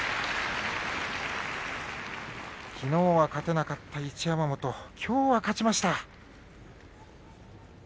きのうは勝てなかった一山本きょうは勝ちました。